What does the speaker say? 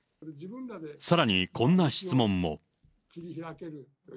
さらにこんな質問も。